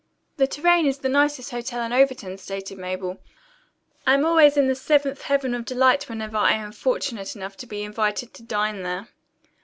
"The Tourraine is the nicest hotel in Overton," stated Mabel. "I am always in the seventh heaven of delight whenever I am fortunate enough to be invited to dine there."